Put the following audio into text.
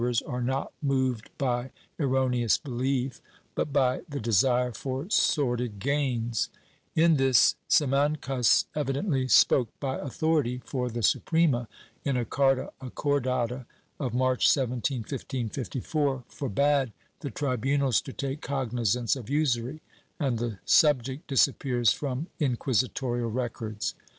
XVI] MORALS ' 375 are not moved by erroneous belief, but by the desire for sordid gains/ In this Simaneas evidently spoke by authority, for the Suprema, in a carta acordada of March 17, 1554, forbade the tribunals to take cognizance of usury, and the subject disappears from inquisitorial records.